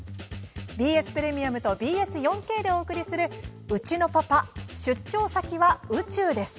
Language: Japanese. ＢＳプレミアムとＢＳ４Ｋでお送りする「うちのパパ、出張先は宇宙です」。